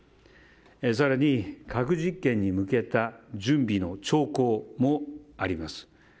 更に、核実験に向けた準備の兆候もあります。